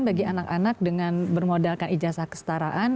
bagi anak anak dengan bermodalkan ijazah kestaraan